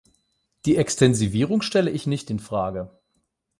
Die Extensivierung stelle ich nicht in Frage.